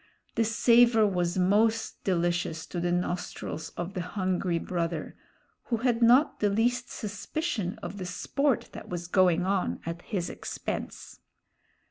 The savor was most delicious to the nostrils of the hungry brother, who had not the least suspicion of the sport that was going on at his expense.